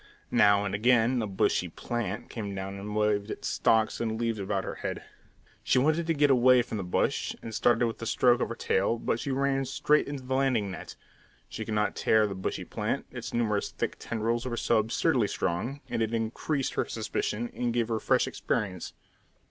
Now and again a "bushy plant" came down and waved its stalks and leaves about her head. She wanted to get away from the bush, and started with a stroke of her tail, but she ran straight into the landing net. She could not tear the bushy plant, its numerous thick tendrils were so absurdly strong; and it increased her suspicion and gave her fresh experience.